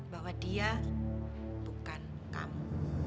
bahwa dia bukan kamu